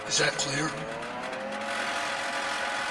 Is that clear?